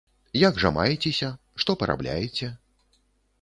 Як жа маецеся, што парабляеце?